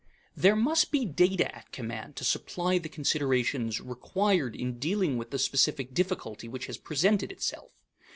There must be data at command to supply the considerations required in dealing with the specific difficulty which has presented itself.